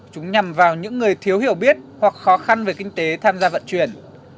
chúng nhằm vào những người thiếu hiểu biết hoặc khó khăn về kinh tế tham gia vận chuyển